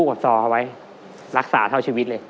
แล้ววันนี้ผมมีสิ่งหนึ่งนะครับเป็นตัวแทนกำลังใจจากผมเล็กน้อยครับ